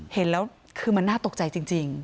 เห็นแล้วคือมันน่าตกใจจริง